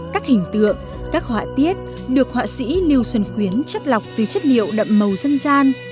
các hình tượng các họa tiết được họa sĩ lưu xuân khuyến chất lọc từ chất liệu đậm màu dân gian